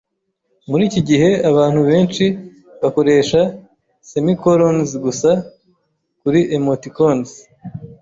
muri iki gihe abantu benshi bakoresha semicolons gusa kuri emoticons.